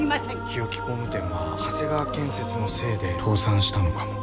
日置工務店は長谷川建設のせいで倒産したのかも。